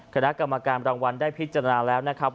คณะกรรมการรางวัลได้พิจารณาแล้วนะครับ